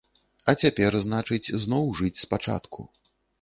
А цяпер, значыць, зноў жыць спачатку.